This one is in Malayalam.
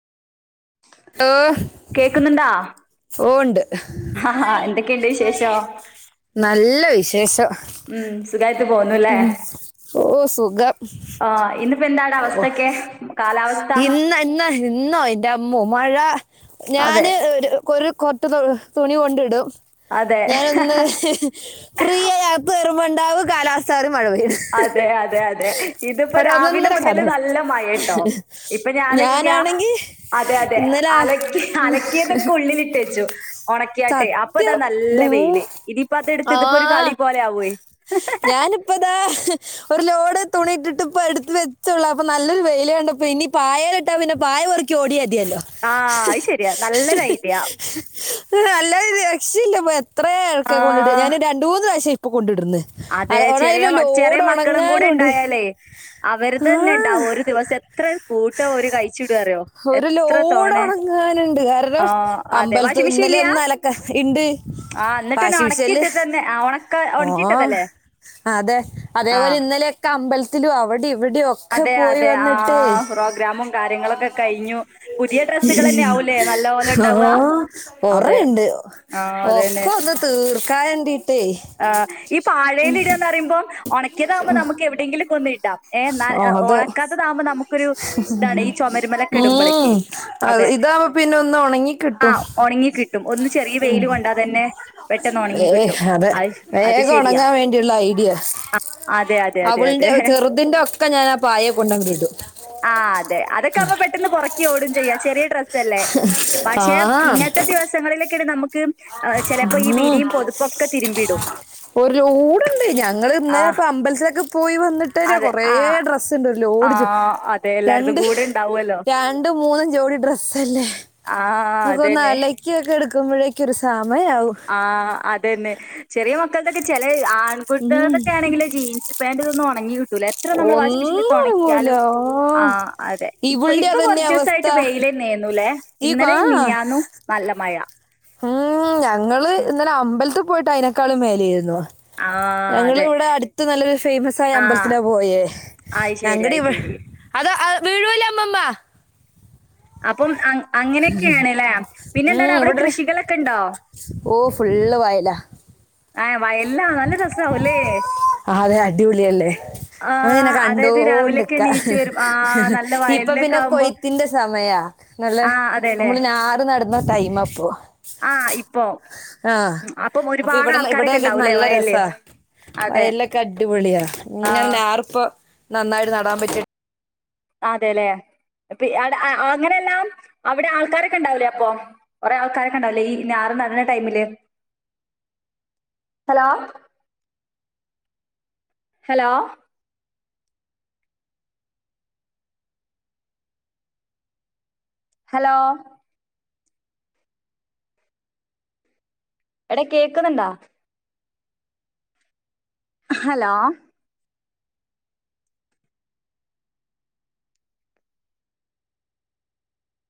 [inaudible] ഏഹ് കേക്ക്ന്ന്ണ്ടാ ഓഹ് ണ്ട് എന്തൊക്കെയുണ്ട് വിശേഷം നല്ല വിശേഷം ഉം സുഖായിട്ട് പോന്നുല്ലേ ഉം ഓഹ് സുഖം ആ ഇന്നിപ്പോ എന്താണ് ഓഹ് അവസ്ഥൊക്കെ കാലാവസ്ഥ ഇന്ന ഇന്ന ഇന്നോ ഇന്റെമ്മോ മഴ അതെ ഞാന് ഒരു കൊരു കൊട്ട തു തുണി കൊണ്ടിടും അതെ ഞ്യാനൊന്ന് ഫ്രീ ആയി അകത്ത് കേറുമ്പെണ്ടാവും കാലാവസ്ഥ മാറി മഴ പെയ്യണ്. അതെ അതെ അതെ ഇതിപ്പ രാവിലെ ഒരൊന്നൊന്നര മുത ല് കാലാവസ്ഥ നല്ല മഴേട്ടോ. ഇപ്പ ഞാനൊക്ക്യ ഞാനാണെങ്കി അതെ അതെ ഇന്നലെ അലക്കി ഇന്ന് അലക്കിയതൊക്കു ള്ളിലിട്ടെച്ചു. ഒണക്കിയാട്ടെ. അപ്പൊ ദാ സത്യം നല്ല ദോ വെയില്. ഇതിപ്പോ അതെടുത്ത് ഇതിപ്പോരു കളി ആ പോലെ ആവുവേ. ഞാനിപ്പതാ ഒരു ലോഡ് തുണിയിട്ടിട്ട് ഇപ്പത് എടുത്ത് വെച്ചൊള്ളു. അപ്പം നല്ലൊരു വെയില് കണ്ടപ്പം ഇനി പായേല് ഇട്ടാ പിന്നെ പായ പെറുക്കി ഓടിയാ മത്യല്ലോ. ആഹ് അയ്ശരിയാ നല്ലൊരൈഡിയാ. അല്ലാതെ പിന്നെ രക്ഷീല്ലപ്പൊ എത്രേ ഒക്കെ കൊണ്ടിട ആ ഞാന് രണ്ട് മൂന്ന് പ്രാവശ്യായി ഇപ്പൊ കൊണ്ടിടുന്ന്. അതെ ചെറിയ മ ചെറിയ മക്കളും കൂടെ ണ്ടായാലേ. ആ അവരെതന്നെ ണ്ടാവും ഒരു ദിവസം എത്ര കൂട്ടം ഓരു കഴിച്ചിടും അറ്യോ. ഒരു ലോടൊണങ്ങാന്ണ്ട് കാരണം ആഹ് അതെ അമ്പലത്ത് വാഷിംഗ് മെഷീൻ ഇന്നലെ ഇല്ല്യാ ഒന്ന് അലക്ക, ഇണ്ട്. ആഹ് ഇന്നട്ടെന്നെ ഒണക്കിട്ട്ട്ടെന്നെ ആഹ് ഒണക്ക ഒണക്കി ഓഹ് അതെ അതേപോലെ ആഹ് ഇന്നലെയൊക്കെ അമ്പൽത്തിലും അവിടിം ഇവിടിം ഒ അതെ അതെ ആഹ് പ്രോഗ്രാമും കാര്യങ്ങളൊക്കെ കഴിഞ്ഞു. പുതിയ ഡ്രസ്സുകളെന്നെയാവും ലേ നല്ലപോലെ ഓ ഇണ്ടാവാ? അതെ. കൊറേണ്ട് ആഹ് അതന്നെ ഒക്കെ ഒന്ന് തീർക്കാൻ വേണ്ടിട്ടേ ആഹ്. ഈ പാഴേലിടാന്ന് പറയുമ്പം ഒണ ക്കിയതാവുമ്പോ നമുക്ക് എവിടെയെങ്കിലും കൊണ്ട് ഇടാം. ഏഹ് ന ഓ അതെ ഒണക്കാത്തതാകുമ്പം നമുക്കൊരു ഇതാണ് ഈ ചൊമര്മലൊ ഉം. അഹ് ഇതാവുമ്പം പിന്നെ ഒന്ന് ഒണങ്ങിക്കിട്ടും ആഹ് ഒണങ്ങി കിട്ടും. ഒന്ന് ചെറിയ ഉം. വെയില് കൊണ്ടാ തന്നെ പെട്ടെന്ന് ഒണങ്ങി ഏഹ് കിട്ടും. അതെ അത് അത് വേഗം ശെരിയാ. ഒണങ്ങാൻ വേണ്ടിയുള്ള ഐഡിയ. അതെ അതെ അതെ അവൾന്റെ അതെ. ചെറുതിന്റെ ഒക്കെ ഞാനാ പായെ കൊണ്ടങ്ങിടും. ആഹ് അതെ. അതൊക്കാവുമ്പോ പെ ട്ടന്ന് പൊറക്കി ഓടും ചെയ്യാ. ചെറിയ ഡ്രസ്സല്ലേ. പക്ഷെ, ആ ഇങ്ങനത്തെ ദിവസങ്ങളിലൊക്കെണ് നമ്മക്ക് ഏഹ് ചെലപ്പോ ഈ ഉം വിരീം പൊതപ്പൊക്കെ തിരുമ്പിടും. ഒരു ലോഡ്ണ്ട്. ഞങ്ങള് ആഹ് ഇന്നലെപ്പ അമ്പലത്തിലൊക്കെ പോയി വന്നിട്ടന്നെ അതെ. കൊറേ ആഹ് ഡ്രസ് സ്ണ്ട് ഒരു ലോഡ് ചു. ആഹ് അതെ എല്ലാരതും രണ്ട് കൂടെ ഇണ്ടാവുവല്ലോ. രണ്ടും മൂന്നും ജോടി ഡ്രസ്സല്ലേ. ആഹ് അതന്നെ. ക്കിയൊക്കെ എടുക്കുമ്പെഴേക്കൊരു സമയാവും. ആഹ് അതന്നെ. ചെറിയ മക്കക്കൊക്കെ ചെലേ ഉം. ആൺകുട്ടികൾതൊക്കെ ആണെങ്കിൽ ജീൻസ് പാന്റിതൊന്നും ഒണങ്ങി കിട്ടൂല. എത്ര നമ്മൾ വാഷിങ് മെഷീനിലിട്ട് ഒന്നും ഇറങ്ങൂല ഉണക്ക്യാലും, ഓ ആഹ് അതെ. ഇപ്പൊ ഇവളുടെ ഇപ്പൊ അതന്നെ കുറച്ചൂസായി അവസ്ഥ ട്ട് വെയിലെന്നേന്നുല്ലേ. ഈ ആ ഇന്നലേം മിഞ്ഞാന്നും നല്ല മഴ. ഉം ഞങ്ങള് ഉം ഇന്നലെ അമ്പലത്ത് പോയിട്ട് അയിനേക്കാളും മേലേന്നു. ആഹ് അതെ. ഞങ്ങളിവിടെ അടുത്ത് നല്ലൊരു ഫേമസായ അമ്പലത്തിലാ പോയേ. ആയി ശരി അയി ശരി. അത് അഹ് വീഴൂലാ അമ്മമ്മ. അപ്പം അങ് അങ്ങനെയൊക്കേണ്ല്ലേ. പിന്നെന്താടാ അവിടെ കൃഷികളൊക്കെണ്ടോ? ഓഹ് ഫുള്ള് വയലാ. ഏഹ് വയൽ ലാ നല്ല രസാവുംലേ. ആഹ്തെ അടിപൊളിയല്ലേ. അഹ് ങ്ങനെ ആഹ് അതായത് രാവിലെയൊക്കെ കണ്ടോണ്ട്ക്ക. എണീച്ച് വരും ആഹ് നല്ല ഇപ്പൊ വയലിലൊക്കെ പിന്നെ ആവുമ്പോ കൊയ്ത്തിന്റെ സമയാ. നല്ല ആഹ് അതെലേ നമ്മള് ഞാറ് നടുന്ന ടൈമാപ്പോ. ആഹ് ഇപ്പോ. ഉം അപ്പം ഒരുപാട് ആൾക്കാരെ ക്കെയിട്ട് നല്ല രസാ. വയലിലൊക്കെ അടിപൊളിയാ ആ ഇങ്ങനെ ഞാ ർപ്പൊ നന്നായിട്ട് നടാൻ പറ്റ് അതേലെ. പി അവിടെ അങ്ങനെല്ലാം അവിടെ ആൾക്കാരൊക്കെ ഇണ്ടാവുലെ അപ്പം. കൊറെ ആൾക്കാരൊക്കെ ഇണ്ടാവുലെ ഈ ഞാറ് നട്ണ ടൈമില്. ഹലോ ഹലോ ഹലോ എട കേക്കുന്നുണ്ടാ. ഹലോ.